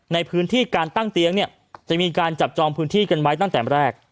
ในพื้นที่การตั้งเตียงเนี่ยจะมีการจับจองพื้นที่กันไว้ตั้งแต่แรก